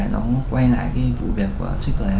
cháu cũng quay lại cái vụ việc của twitter